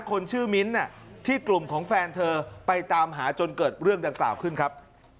คนชื่อมิ้นท์ที่กลุ่มของแฟนเธอไปตามหาจนเกิดเรื่องดังกล่าวขึ้นครับ